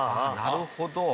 なるほど。